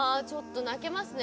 泣けますね。